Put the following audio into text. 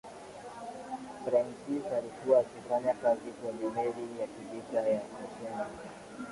prentice alikuwa akifanya kazi kwenye meli ya kivita ya oceanic